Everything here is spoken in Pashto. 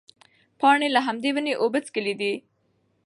پاڼې له همدې ونې اوبه څښلې دي.